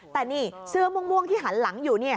แต่นี่เสื้อม่วงที่หันหลังอยู่